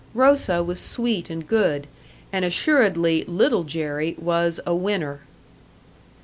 Rosa was sweet and good, and assuredly Little Jerry was a "winner."